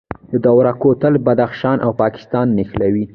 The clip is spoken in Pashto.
د دوراه کوتل بدخشان او پاکستان نښلوي